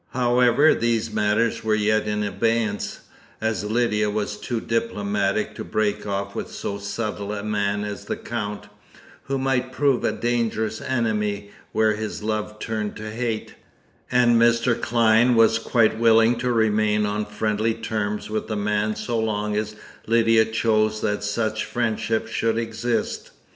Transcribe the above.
However, these matters were yet in abeyance, as Lydia was too diplomatic to break off with so subtle a man as the Count, who might prove a dangerous enemy were his love turned to hate, and Mr. Clyne was quite willing to remain on friendly terms with the man so long as Lydia chose that such friendship should exist.